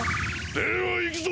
ではいくぞ！